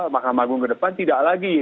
mahkamah agung ke depan tidak lagi